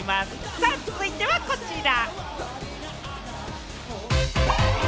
さあ続いてはこちら。